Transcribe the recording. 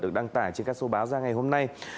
được đăng tải trên các số báo ra ngày hôm nay